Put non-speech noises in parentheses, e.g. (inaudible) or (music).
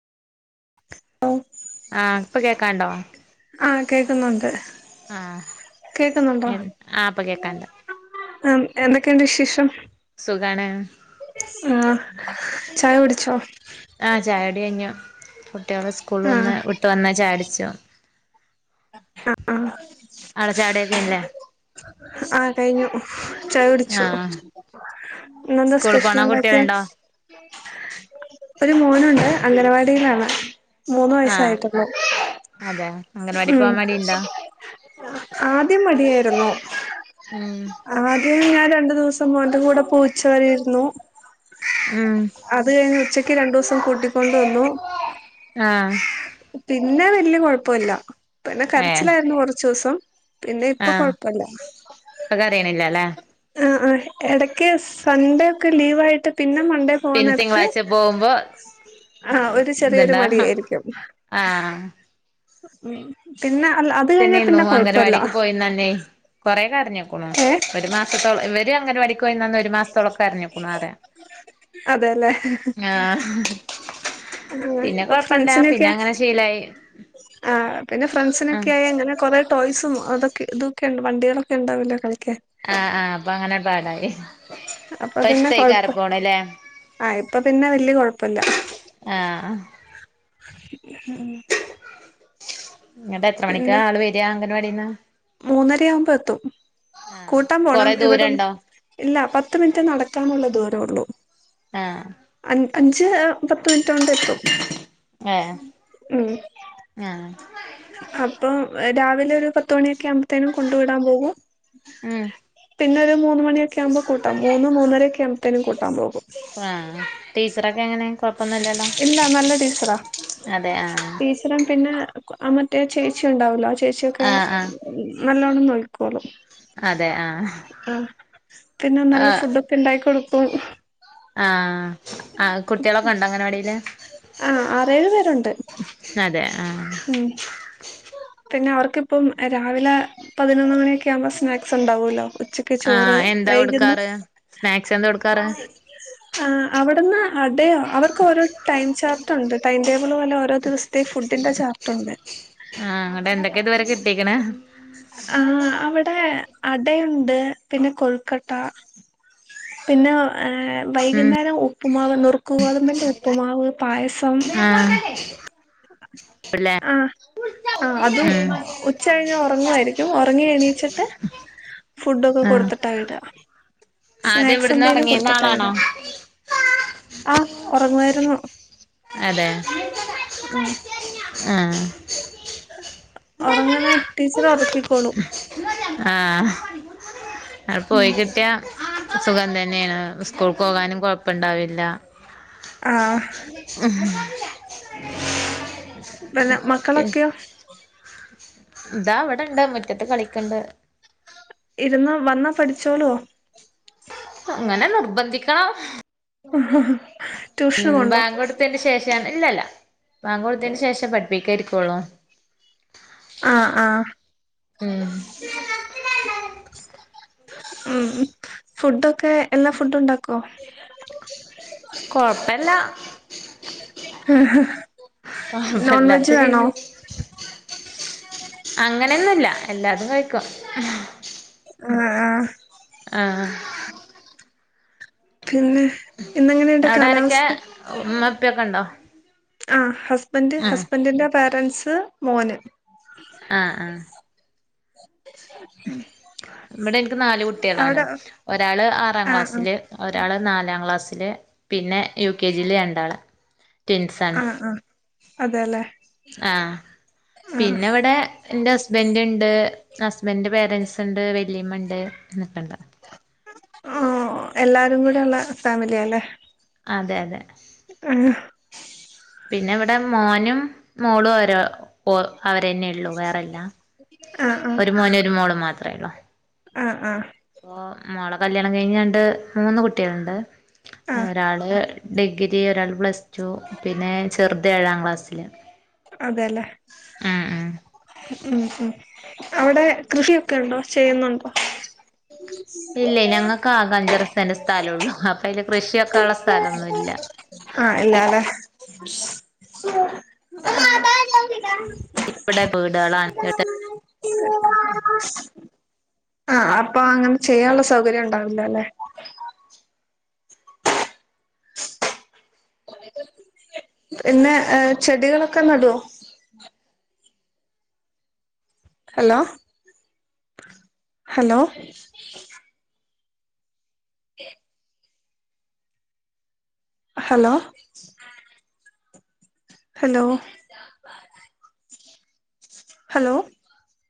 ഓ (unintelligible) (inaudible) ആ, ഇപ്പോ കേൾക്കാണ്ടോ? ആ, കേൾ ക്കുന്നുണ്ട്. ആഹ് കേൾ ക്കുന്നുണ്ടോ? ആഹ് ഇപ്പൊ കേക്കാണ്ട് ആ, എന്തൊക്കെയുണ്ട് വിശേഷം. സുഖാണ് ആഹ് ചായ കുടിച്ചോ ആ ചായുടി കയ്ഞ്ഞു കുട്ട്യാള് സ്കൂള് ആഹ് വന്ന് വിട്ട് വന്ന ചായുടിച്ചും ആഹ് (unintelligible) ആഹ് കഴിഞ്ഞു ചായ കുടിച്ചു ആഹ് ഇന്നെന്താ സ്കൂള് പോണ സ്പെഷ്യല്ണ്ടാക്ക്യേ കുട്ടികളുണ്ടോ ഒരു മോനുണ്ട് അംഗനവാടിയിലാണ് മൂന്ന് ആഹ് വയസായിട്ടൊള്ളു അതെ അംഗൻവാടി ഉം പോവാൻ മടിയുണ്ടോ ആദ്യം മടിയായിര്ന്നു ഉം ആദ്യം ഞാൻ രണ്ടു ദിവസം മോന്റെ കൂടെ പോ ഉച്ച വെരെ ഇര്ന്നു ഉം അത് കഴിഞ്ഞ് ഉച്ചക്ക് രണ്ടുസം കൂട്ടിക്കൊണ്ട് വന്നു ആഹ് പിന്നെ വെല്യ കൊഴപ്പുല്ല പിന്നെ ഏഹ് കരച്ചിലാര്ന്നു കൊർച്ചുസം പിന്നെ ഇപ്പ ആഹ് കൊഴപ്പല്ല ഇപ്പൊ കരയണില്ലല്ലേ ആഹ് ആഹ് എടയ്ക്ക് സൺഡേ ഒക്കെ ലീവായിട്ട് പിന്നെ മണ്ടേ പിന്നെ പോന്നെട്ത്ത് തിങ്കളാഴ്ച പോകുമ്പോ ആ ഒരു ചെറിയൊരു ഇതുണ്ടാ മടിയായിരിക്കും ആഹ് ഉം പിന്നെ അല്ല കഴിഞ്ഞാ തെന്നെന്നു പിന്നെ കൊഴപ്പല്ല അംഗനവാടിക്ക് പോയിന്നന്നെ കൊറെേ കരഞ്ക്ക്ണു ഏഹ് ഒരു മാസത്തോളം ഇവര് അംഗനവാടിക്ക് പൊയീന്നന്ന് ഒരു മാസത്തോളൊക്കെ കരഞ്ക്കുണു പറയ അതെല്ലേ ആ പിന്നെ ഇപ്പൊ കൊഴപ്പല്ല പിന്നെ ഫ്രണ്ട്സിനൊക്കെ അങ്ങനെ ശീലായി ആ പിന്നെ ആ ഫ്രണ്ട്സിനൊക്കായി അങ്ങനെ കൊറെ ടോയ്സും അതൊക്കെ ഇതൊക്കെണ്ട് വണ്ടികളൊക്കെ ണ്ടാവല്ലോ കളിക്കാൻ ആഹ് ആഹ് അപ്പൊ അങ്ങനണ്ട് പാടായി അപ്പൊ ഇപ്പൊ പിന്നെ ഇഷ്ടായിക്കാരം കൊഴപ്പ പോണല്ലേ ആ ഇപ്പൊ പിന്നെ വെല്യ കൊഴപ്പല്ല ആഹ് ഉം ന്ന്ട്ട് എത്ര മണിക്ക പിന്നെ ആള് വെര അങ്കൻവാടീന്ന് മൂന്നരയാവുമ്പോ എത്തും കൂട്ടാൻ കൊറെ പോണം ഇവടം ദൂരണ്ടോ ഇല്ല പത്ത് മിനിറ്റ് നടക്കാനുള്ള ദൂരൊള്ളു ആഹ് അൻ അഞ്ച് പത്ത് മിൻറ്റോണ്ടെത്തും ഏ ഉം ആ അപ്പം രാവിലെ ഒരു പത്തുമണി ക്യാമ്പത്തേനും കൊണ്ട് വിടാൻ പോകും ഉം പിന്നെ ഒരു മൂന്ന് മണിയൊക്യാമ്പൊ കൂട്ടാ മൂന്ന് മൂന്നരക്യാമ്പത്തേനും കൂട്ടാൻ പോകും ആഹ് ആഹ് ടീച്ചറൊക്കെങ്ങനെ കൊഴപ്പൊന്നുല്ലല്ലൊ ഇല്ല നല്ല ടീച്ചറ ആ ടീ ന്നെരം പിന്നെ മറ്റേ ചേച്ചിണ്ടാവല്ലോ ആ ചേച്യോക്കെ ആ ആ നല്ലോണം നോയിക്കോളും അതെ ആ ആ പിന്നെ നല്ല ആ ഫുഡും പിണ്ടായി കൊടുക്കും ആഹ് ആ കുട്ട്യാളൊക്കെണ്ടോ അങ്കനവാടില ആഹ് ആറേഴ് പേരുണ്ട് അതെ ആഹ് ഉം പിന്നെ അവർക്കിപ്പം രാവിലെ പതിനൊന്ന് മണിയൊക്കെ ആവുമ്പോ സ്നാക്സ് ഉണ്ടാവല്ലോ ഉച്ചക്ക് ക്കെ ചോറ് ആഹ് എന്താ വൈക്ന്ന് കൊടുക്കാറ് സ്നാക്സ് എന്താ കൊടുക്കാറ് ആ അവിടന്ന് അടയാ അവർക്ക് ഓരോ ടൈം ചാർട്ട് ഉണ്ട് ടൈം ടേബിൾ പോലെ ഓരോ ദിവസത്തെ ഫുഡിൻ്റെ ചാർട്ട് ആഹ് അങ്ങട്ട് എന്തൊക്കെ ഇതുവരെ കിട്ടീക്കണ ആ അവിടെ അടയുണ്ട് പിന്നെ കൊഴുക്കട്ട പിന്നെ ഉം വൈകുന്നേരം ഉപ്പുമാവ് നുറുക്ക് ഗോതമ്പൻ്റെ ഉപ്പുമാവ് പായസം ആഹ് ല്ലേ ആഹ് ഉം ആ അതും ഉച്ച കഴിഞ്ഞ് ഉറങ്ങുവായിരിക്കും ഉറങ്ങി എണീച്ചിട്ട് ഫുഡ് ഒക്കെ ആഹ് കൊടുത്തിട്ടാ വിട ആദ്യം സ്നാക്സ് ഇവിടുന്ന് എന്തെലും ഇറങ്ങിരുന്ന കൊടുത്തിട്ടാ വിട ആളാണോ ആഹ് ഉറങ്ങുവായിരുന്നു അതെ ആഹ് ആഹ് ഉറങ്ങണ ടീച്ചർ ഒറക്കിക്കോളും ആഹ് അടെ പോയി കിട്ടിയ സുഖം തന്നെയാണ് സ്കൂൾ പോകാനും കൊഴപ്പുണ്ടാവില്ല ആഹ് ഉം പിന്നെ മക്കളൊക്കെയോ ഇതാ അവിടെണ്ട് മുറ്റത്ത് കളിക്ക്ണ്ട് ഇരുന്ന് വന്നാ പഠിചോളുവോ അങ്ങനെ നിർബന്ധിക്കണം ട്യൂഷന് ഉം പോണ്ടോ ബാങ്ക് കൊടുത്തേന് ശേഷം ഇല്ലല്ല ബാങ്ക് കൊടുത്തേന് ശേഷം പഠിപ്പിക്കാൻ ഇരിക്കുള്ളു ആഹ് ആഹ് ഉം ഉം ഫുഡൊക്കെ എല്ലാ ഫുഡും ഉണ്ടാക്കോ കൊഴപ്പില്ല നോൺ വെജ് കൊയപ്പല്ലാത്ത വേണോ രീതി അങ്ങനെന്നുല്ല എല്ലാതും കഴിക്കും ആഹ് ആഹ് ആഹ് പിന്നെ ഇന്നെങ്ങനെയുണ്ട് അവിടെ ആരൊക്കെ കാലാവസ്ഥ ഉമ്മ ഇപ്പക്കെ ഉണ്ടോ ആ ഹസ്ബൻ്റ് ആ ഹസ്ബഡിൻ്റെ പേരൻ്റ്സ് മോന് ആഹ് ആഹ് ഇവിടെ എനിക്ക് നാല് കുട്ടികളാണ് അവിടെ ആഹ് ഒരാള് ആറാം ആഹ് ക്ലാസ്സില് ഒരാള് നാലാം ക്ലാസ്സില് പിന്നെ യു കെ ജിൽ രണ്ടാള് ട്വിൻസാണ് ആഹ് ആഹ് അതെല്ലേ ആഹ് ആഹ് പിന്നെവിടെ എന്റെ ഹസ്ബന്റ്ണ്ട് ഹസ്ബന്റിന്റെ പേരൻ്റ്സ് ഇണ്ട് വല്ലിമ്മണ്ട് (unintelligible) ഓഹ് എല്ലാരും കൂടെ ഉള്ള ഫാമിലിയാല്ലേ അതെ അതെ ആഹ പിന്നെ ഇവിടെ മോനും മോളും ഓരോ ഓ അവരെന്നെ ഉള്ളു വേറെല്ല ആഹ് ഒരു മോനും ഒരു മോളും മാത്രമേ ഉള്ളൂ ആഹ ആഹ ഇപ്പോ മോളെ കല്യാണം കഴിഞ് രണ്ട് മൂന്ന് കുട്ടികളുണ്ട് ആഹ് ഒരാള് ഡിഗ്രി ഒരാൾ പ്ലസ് ടു പിന്നെ ചെറുദ് ഏഴാം ക്ലാസ്സിൽ അതെല്ലേ ഉം ഉം അവിടെ കൃഷിയൊക്കെ ഉണ്ടോ ചെയ്യുന്നുണ്ടോ ഇല്ല ഞങ്ങൾക്ക് ആക അഞ്ചറസേന്റ് സ്ഥലമ ഉള്ളു അപ്പൊ അതില് കൃഷിവെക്ക ഉള്ള സ്ഥലന്നുല്ല ആഹ ഇല്ല ല്ലേ ശ് (unintelligible) (unintelligible) ഇവിടെ വീടുകളാണ് (unintelligible) ആഹ് അപ്പൊ അങ്ങനെ ചെയ്യാനുള്ള സൗകര്യം ഉണ്ടാവില്ലല്ലെ പിന്നെ ചെടികളൊക്കെ നടുവോ hello hello (unintelligible) hello hello (unintelligible) hello